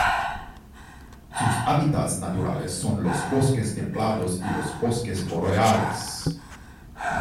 Sus hábitats naturales son los bosques templados y los bosques boreales.